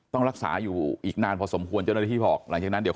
ต้องรักษาอยู่อีกนานพอสมควรเจ้าหน้าที่